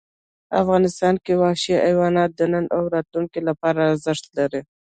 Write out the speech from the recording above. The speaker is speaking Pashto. افغانستان کې وحشي حیوانات د نن او راتلونکي لپاره ارزښت لري.